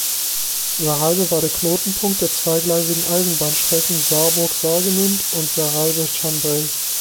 Sarralbe war Knotenpunkt der zweigleisigen Eisenbahnstrecken Saarburg–Saargemünd und Sarralbe–Chambrey.